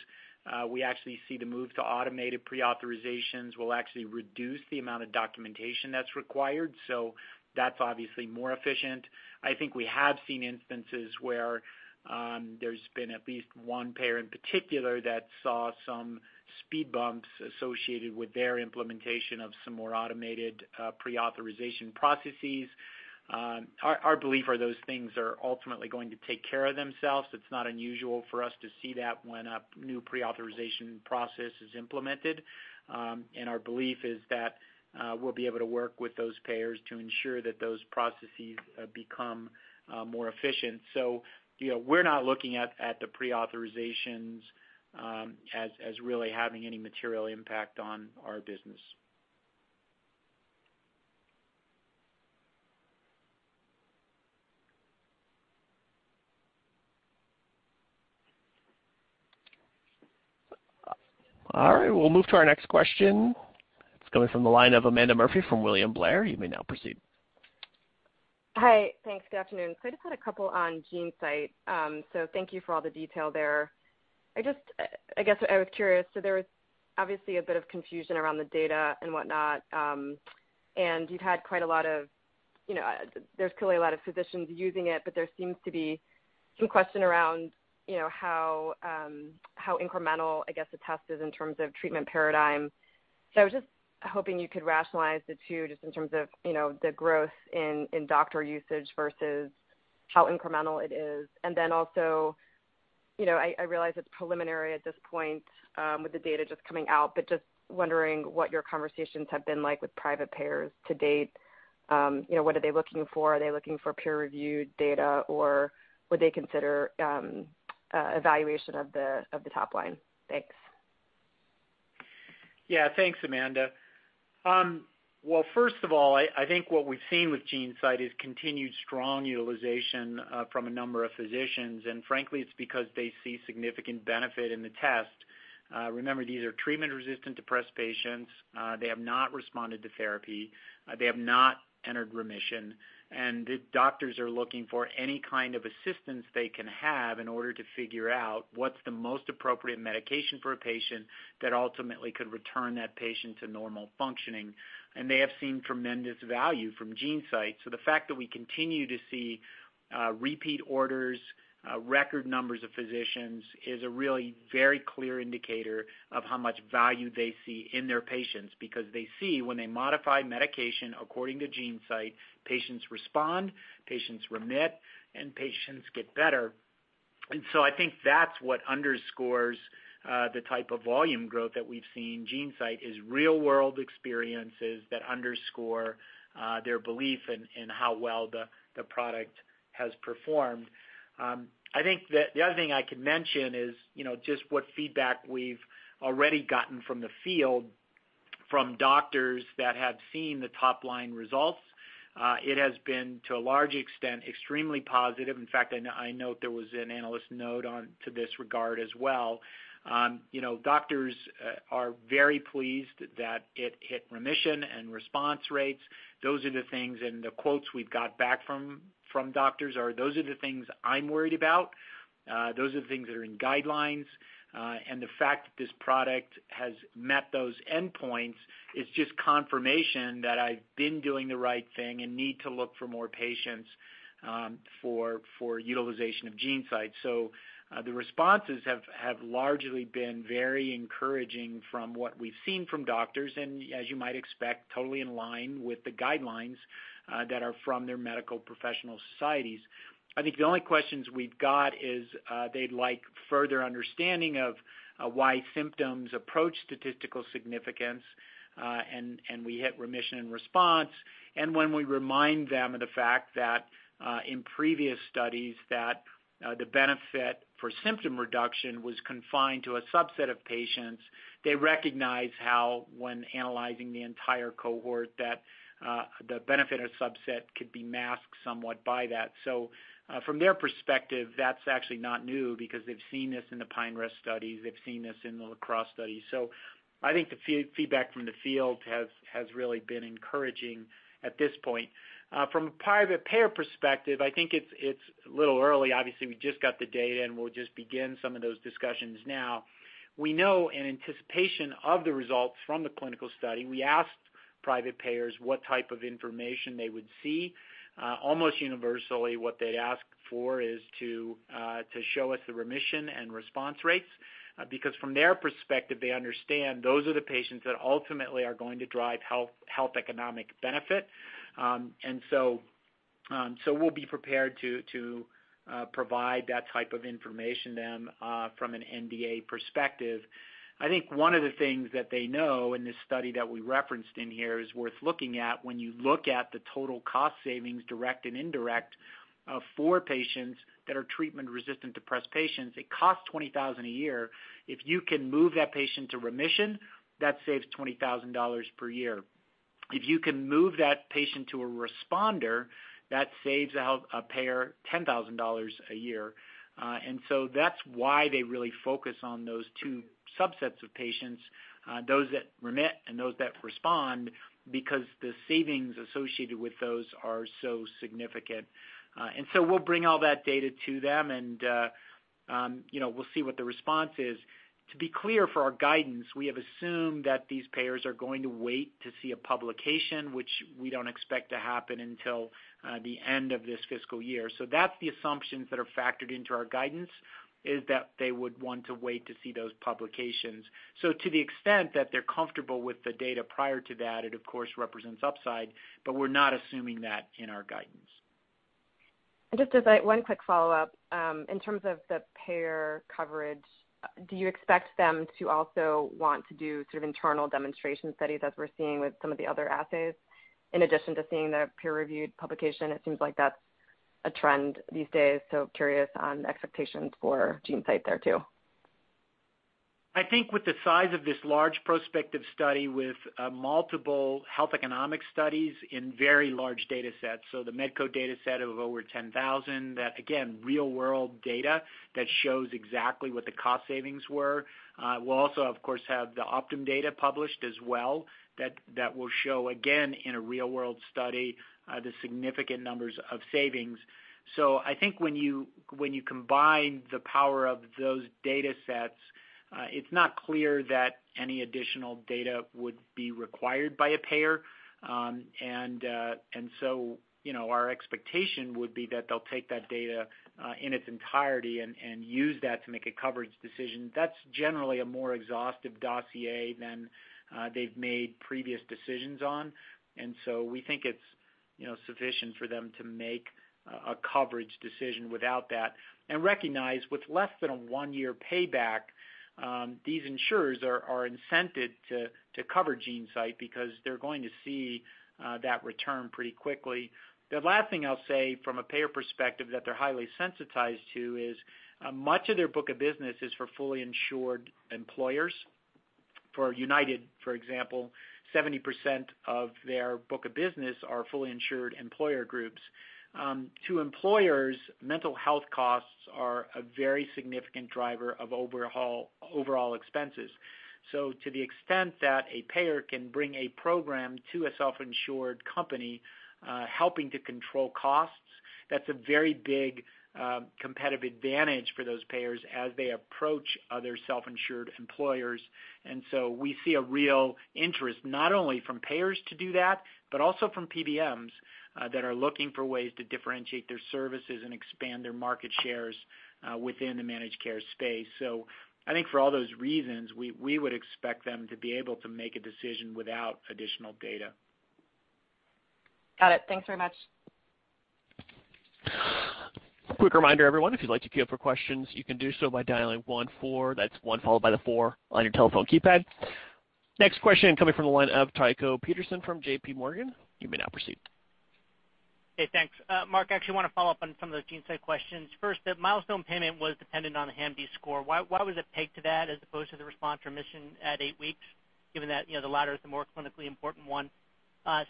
We actually see the move to automated pre-authorizations will actually reduce the amount of documentation that's required, so that's obviously more efficient. I think we have seen instances where there's been at least one payer in particular that saw some speed bumps associated with their implementation of some more automated pre-authorization processes. Our belief are those things are ultimately going to take care of themselves. It's not unusual for us to see that when a new pre-authorization process is implemented. Our belief is that we'll be able to work with those payers to ensure that those processes become more efficient. We're not looking at the pre-authorizations as really having any material impact on our business. All right, we'll move to our next question. It's coming from the line of Amanda Murphy from William Blair. You may now proceed. Hi. Thanks. Good afternoon. I just had a couple on GeneSight. Thank you for all the detail there. I was curious, there was obviously a bit of confusion around the data and whatnot. There's clearly a lot of physicians using it, but there seems to be some question around how incremental, I guess, the test is in terms of treatment paradigm. I was just hoping you could rationalize the two, just in terms of the growth in doctor usage versus how incremental it is. I realize it's preliminary at this point with the data just coming out, but just wondering what your conversations have been like with private payers to date. What are they looking for? Are they looking for peer-reviewed data, or would they consider evaluation of the top line? Thanks. Thanks, Amanda. Well, first of all, I think what we've seen with GeneSight is continued strong utilization from a number of physicians, and frankly, it's because they see significant benefit in the test. Remember, these are treatment-resistant depressed patients. They have not responded to therapy. They have not entered remission, and the doctors are looking for any kind of assistance they can have in order to figure out what's the most appropriate medication for a patient that ultimately could return that patient to normal functioning. They have seen tremendous value from GeneSight. The fact that we continue to see repeat orders, record numbers of physicians, is a really very clear indicator of how much value they see in their patients. Because they see when they modify medication according to GeneSight, patients respond, patients remit, and patients get better. I think that's what underscores the type of volume growth that we've seen. GeneSight is real-world experiences that underscore their belief in how well the product has performed. I think that the other thing I could mention is just what feedback we've already gotten from the field from doctors that have seen the top-line results. It has been, to a large extent, extremely positive. In fact, I note there was an analyst note on to this regard as well. Doctors are very pleased that it hit remission and response rates. Those are the things in the quotes we've got back from doctors are, "Those are the things I'm worried about. Those are the things that are in guidelines." The fact that this product has met those endpoints is just confirmation that I've been doing the right thing and need to look for more patients for utilization of GeneSight. The responses have largely been very encouraging from what we've seen from doctors, and as you might expect, totally in line with the guidelines that are from their medical professional societies. I think the only questions we've got is, they'd like further understanding of why symptoms approach statistical significance, and we hit remission and response. When we remind them of the fact that in previous studies that the benefit for symptom reduction was confined to a subset of patients, they recognize how, when analyzing the entire cohort, that the benefit of subset could be masked somewhat by that. From their perspective, that's actually not new because they've seen this in the Pine Rest studies, they've seen this in the La Crosse study. I think the feedback from the field has really been encouraging at this point. From a private payer perspective, I think it's a little early. Obviously, we just got the data, and we'll just begin some of those discussions now. We know in anticipation of the results from the clinical study, we asked private payers what type of information they would see. Almost universally, what they'd ask for is to show us the remission and response rates, because from their perspective, they understand those are the patients that ultimately are going to drive health economic benefit. We'll be prepared to provide that type of information then from an NDA perspective. I think one of the things that they know in this study that we referenced in here is worth looking at when you look at the total cost savings, direct and indirect, for patients that are treatment-resistant depressed patients, it costs $20,000 a year. If you can move that patient to remission, that saves $20,000 per year. If you can move that patient to a responder, that saves a payer $10,000 a year. That's why they really focus on those two subsets of patients, those that remit and those that respond, because the savings associated with those are so significant. We'll bring all that data to them and we'll see what the response is. To be clear for our guidance, we have assumed that these payers are going to wait to see a publication, which we don't expect to happen until the end of this fiscal year. That's the assumptions that are factored into our guidance, is that they would want to wait to see those publications. To the extent that they're comfortable with the data prior to that, it of course represents upside. We're not assuming that in our guidance. Just one quick follow-up. In terms of the payer coverage, do you expect them to also want to do sort of internal demonstration studies as we're seeing with some of the other assays, in addition to seeing the peer-reviewed publication? It seems like that's a trend these days, curious on expectations for GeneSight there too. I think with the size of this large prospective study with multiple health economic studies in very large data sets, the Medco data set of over 10,000, that again, real-world data that shows exactly what the cost savings were. We'll also, of course, have the Optum data published as well, that will show, again, in a real-world study, the significant numbers of savings. I think when you combine the power of those data sets, it's not clear that any additional data would be required by a payer. Our expectation would be that they'll take that data in its entirety and use that to make a coverage decision. That's generally a more exhaustive dossier than they've made previous decisions on. We think it's sufficient for them to make a coverage decision without that and recognize with less than a 1-year payback, these insurers are incented to cover GeneSight because they're going to see that return pretty quickly. The last thing I'll say from a payer perspective that they're highly sensitized to is much of their book of business is for fully insured employers. For United, for example, 70% of their book of business are fully insured employer groups. To employers, mental health costs are a very significant driver of overall expenses. To the extent that a payer can bring a program to a self-insured company helping to control costs, that's a very big competitive advantage for those payers as they approach other self-insured employers. We see a real interest, not only from payers to do that, but also from PBMs that are looking for ways to differentiate their services and expand their market shares within the managed care space. I think for all those reasons, we would expect them to be able to make a decision without additional data. Got it. Thanks very much. Quick reminder, everyone, if you'd like to queue up for questions, you can do so by dialing 14. That's one followed by the four on your telephone keypad. Next question coming from the line of Tycho Peterson from J.P. Morgan. You may now proceed. Hey, thanks. Mark, I actually want to follow up on some of those GeneSight questions. First, the milestone payment was dependent on the HAMD score. Why was it pegged to that as opposed to the response remission at eight weeks, given that the latter is the more clinically important one?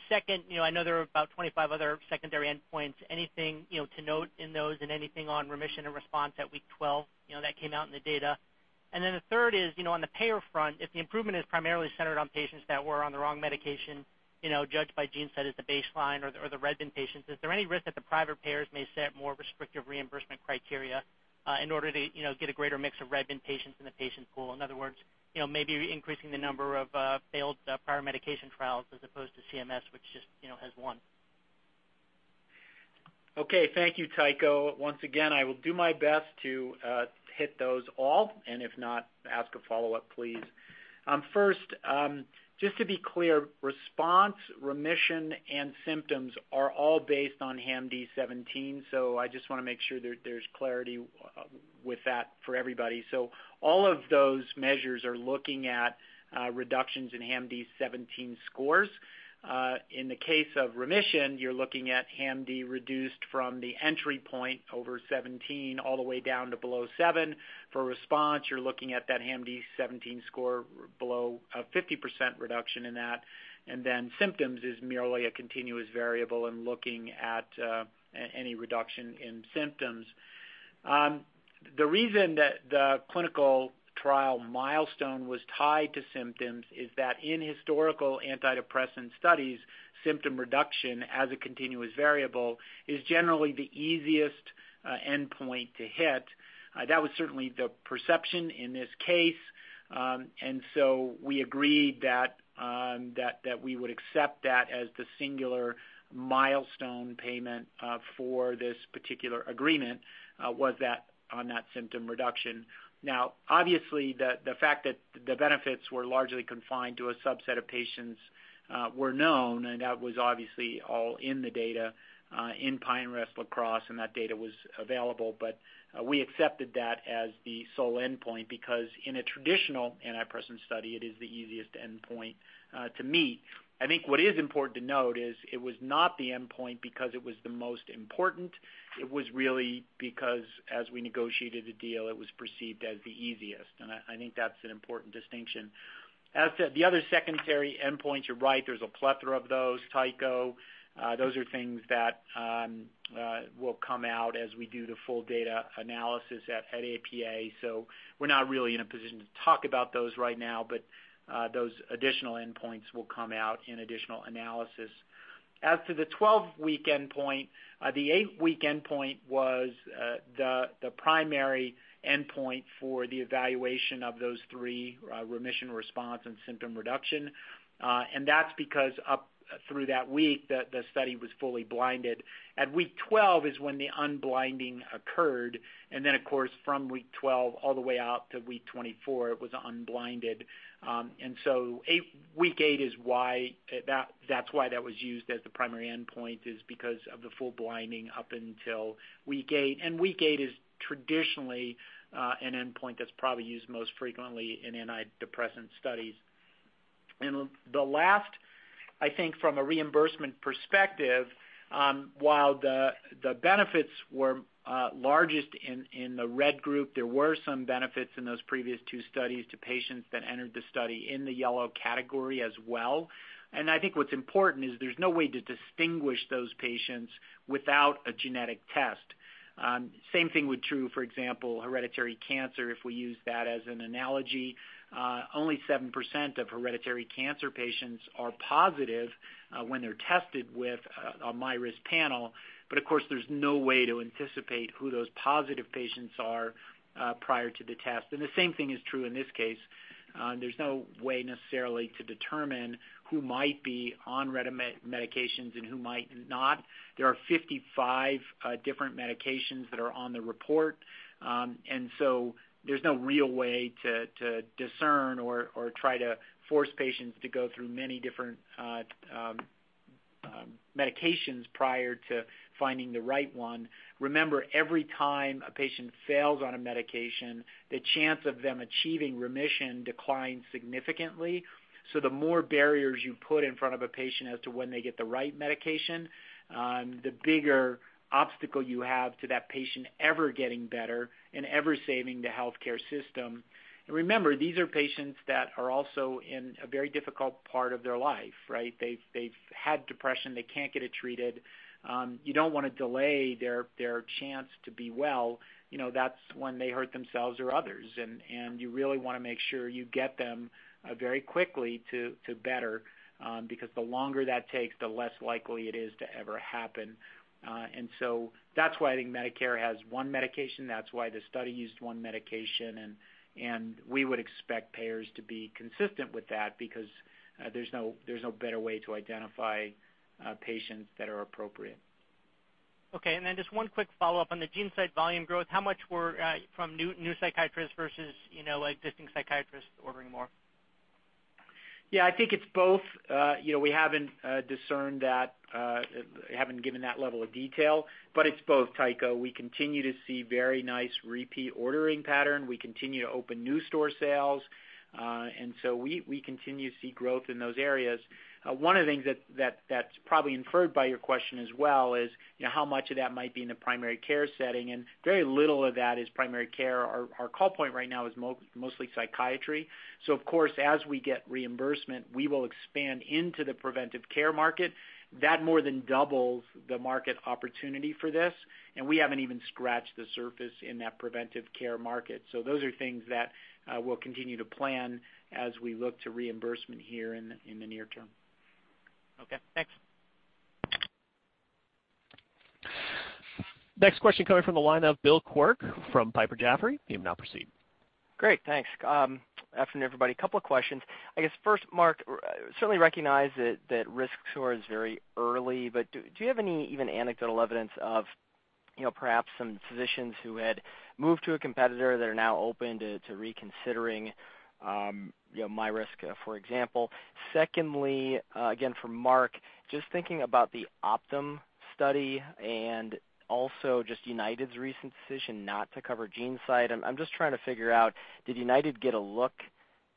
Second, I know there are about 25 other secondary endpoints. Anything to note in those and anything on remission and response at week 12 that came out in the data? The third is, on the payer front, if the improvement is primarily centered on patients that were on the wrong medication, judged by GeneSight as the baseline or the red bin patients, is there any risk that the private payers may set more restrictive reimbursement criteria in order to get a greater mix of REDvent patients in the patient pool? In other words, maybe increasing the number of failed prior medication trials as opposed to CMS, which just has one. Okay. Thank you, Tycho. Once again, I will do my best to hit those all, and if not, ask a follow-up, please. First, just to be clear, response, remission, and symptoms are all based on HAMD-17. I just want to make sure there's clarity with that for everybody. All of those measures are looking at reductions in HAMD-17 scores. In the case of remission, you're looking at HAMD reduced from the entry point over 17 all the way down to below seven. For response, you're looking at that HAMD-17 score below a 50% reduction in that. Symptoms is merely a continuous variable and looking at any reduction in symptoms. The reason that the clinical trial milestone was tied to symptoms is that in historical antidepressant studies, symptom reduction as a continuous variable is generally the easiest endpoint to hit. That was certainly the perception in this case. We agreed that we would accept that as the singular milestone payment for this particular agreement was that on that symptom reduction. Now, obviously, the fact that the benefits were largely confined to a subset of patients were known, and that was obviously all in the data in Pine Rest-La Crosse, and that data was available. We accepted that as the sole endpoint because in a traditional antidepressant study, it is the easiest endpoint to meet. I think what is important to note is it was not the endpoint because it was the most important. It was really because as we negotiated the deal, it was perceived as the easiest. I think that's an important distinction. As to the other secondary endpoints, you're right, there's a plethora of those, Tycho. Those are things that will come out as we do the full data analysis at APA. We're not really in a position to talk about those right now, but those additional endpoints will come out in additional analysis. As to the 12-week endpoint, the 8-week endpoint was the primary endpoint for the evaluation of those 3, remission response and symptom reduction. That's because up through that week, the study was fully blinded. At week 12 is when the unblinding occurred. Then, of course, from week 12 all the way out to week 24, it was unblinded. Week 8, that's why that was used as the primary endpoint is because of the full blinding up until week 8. Week 8 is traditionally an endpoint that's probably used most frequently in antidepressant studies. The last, I think from a reimbursement perspective, while the benefits were largest in the red group, there were some benefits in those previous two studies to patients that entered the study in the yellow category as well. I think what's important is there's no way to distinguish those patients without a genetic test. Same thing would true, for example, hereditary cancer, if we use that as an analogy. Only 7% of hereditary cancer patients are positive when they're tested with a myRisk panel. Of course, there's no way to anticipate who those positive patients are prior to the test. The same thing is true in this case. There's no way necessarily to determine who might be on red bin medications and who might not. There are 55 different medications that are on the report. There's no real way to discern or try to force patients to go through many different medications prior to finding the right one. Remember, every time a patient fails on a medication, the chance of them achieving remission declines significantly. The more barriers you put in front of a patient as to when they get the right medication, the bigger obstacle you have to that patient ever getting better and ever saving the healthcare system. Remember, these are patients that are also in a very difficult part of their life, right? They've had depression. They can't get it treated. You don't want to delay their chance to be well. That's when they hurt themselves or others. You really want to make sure you get them very quickly to better, because the longer that takes, the less likely it is to ever happen. That's why I think Medicare has one medication. That's why the study used one medication, and we would expect payers to be consistent with that because there's no better way to identify patients that are appropriate. Okay, just one quick follow-up on the GeneSight volume growth. How much were from new psychiatrists versus existing psychiatrists ordering more? Yeah, I think it's both. We haven't discerned that, haven't given that level of detail, but it's both, Tycho. We continue to see very nice repeat ordering pattern. We continue to open new store sales. We continue to see growth in those areas. One of the things that's probably inferred by your question as well is how much of that might be in the primary care setting, and very little of that is primary care. Our call point right now is mostly psychiatry. Of course, as we get reimbursement, we will expand into the primary care market. That more than doubles the market opportunity for this, and we haven't even scratched the surface in that primary care market. Those are things that we'll continue to plan as we look to reimbursement here in the near term. Okay, thanks. Next question coming from the line of Bill Quirk from Piper Jaffray. You may now proceed. Great. Thanks. Afternoon, everybody. Couple of questions. First, Mark, certainly recognize that riskScore is very early, but do you have any even anecdotal evidence of perhaps some physicians who had moved to a competitor that are now open to reconsidering MyRisk, for example? Secondly, again for Mark, just thinking about the Optum study and also just United's recent decision not to cover GeneSight. I'm just trying to figure out, did United get a look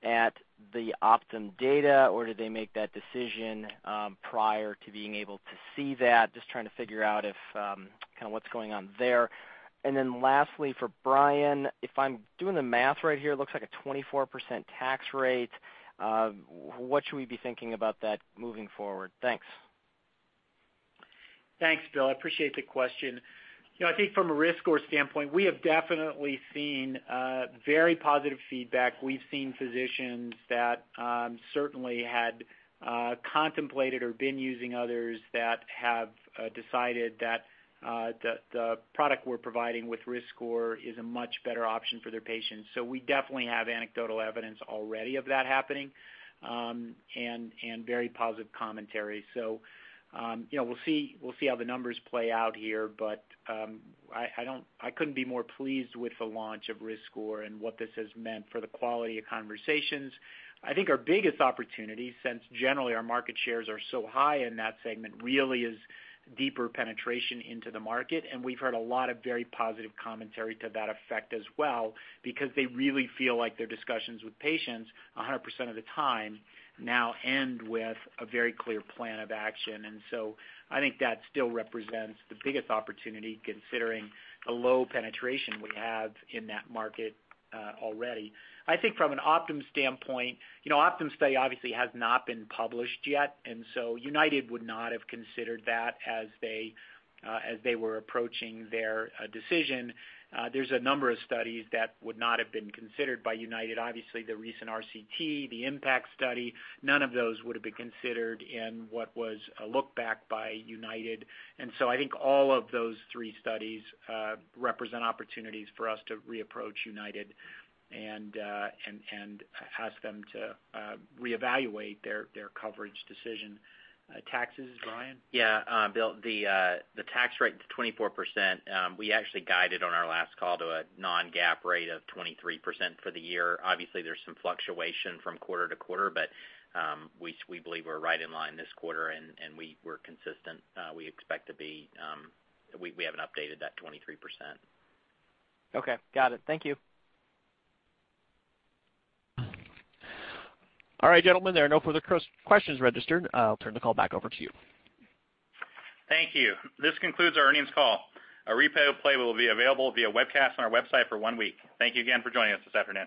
at the Optum data, or did they make that decision prior to being able to see that? Just trying to figure out what's going on there. Lastly, for Bryan, if I'm doing the math right here, it looks like a 24% tax rate. What should we be thinking about that moving forward? Thanks. Thanks, Bill. I appreciate the question. From a riskScore standpoint, we have definitely seen very positive feedback. We've seen physicians that certainly had contemplated or been using others that have decided that the product we're providing with riskScore is a much better option for their patients. We definitely have anecdotal evidence already of that happening, and very positive commentary. We'll see how the numbers play out here, but I couldn't be more pleased with the launch of riskScore and what this has meant for the quality of conversations. Our biggest opportunity, since generally our market shares are so high in that segment, really is deeper penetration into the market, and we've heard a lot of very positive commentary to that effect as well, because they really feel like their discussions with patients 100% of the time now end with a very clear plan of action. That still represents the biggest opportunity, considering the low penetration we have in that market already. From an Optum standpoint, Optum's study obviously has not been published yet, United would not have considered that as they were approaching their decision. There's a number of studies that would not have been considered by United. Obviously, the recent RCT, the IMPACT study, none of those would have been considered in what was a look-back by United. All of those three studies represent opportunities for us to re-approach United and ask them to reevaluate their coverage decision. Taxes, Bryan? Yeah. Bill, the tax rate is 24%. We actually guided on our last call to a non-GAAP rate of 23% for the year. Obviously, there's some fluctuation from quarter to quarter, but we believe we're right in line this quarter, and we're consistent. We haven't updated that 23%. Okay. Got it. Thank you. All right, gentlemen, there are no further questions registered. I'll turn the call back over to you. Thank you. This concludes our earnings call. A replay will be available via webcast on our website for one week. Thank you again for joining us this afternoon.